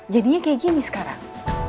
jadinya kayak gini sekarang